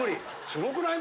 すごくない？